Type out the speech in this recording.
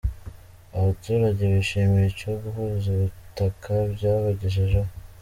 Abaturage bishimira icyo guhuza ubutaka byabagejejeho.